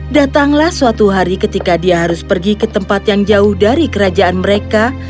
datanglah suatu hari ketika dia harus pergi ke tempat yang jauh dari kerajaan mereka